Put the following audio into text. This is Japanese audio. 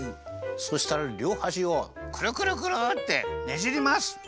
そうしたらりょうはしをくるくるくるってねじります。